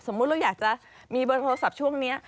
เราอยากจะมีเบอร์โทรศัพท์ช่วงนี้